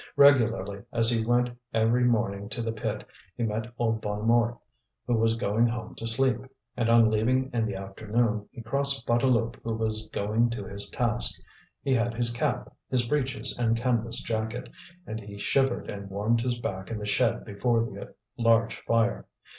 Regularly as he went every morning to the pit, he met old Bonnemort who was going home to sleep, and on leaving in the afternoon he crossed Bouteloup who was going to his task. He had his cap, his breeches and canvas jacket, and he shivered and warmed his back in the shed before the large fire.